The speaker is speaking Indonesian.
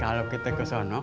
kalau kita ke sana